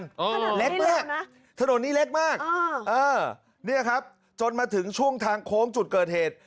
ถนนเล็กมากนะถนนนี้เล็กมากเนี่ยครับจนมาถึงช่วงทางโค้งจุดเกิดเหตุ